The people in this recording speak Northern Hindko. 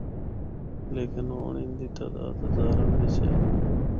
لیکن ہونڑ ان دی تعداد ہزاراں بچ اے۔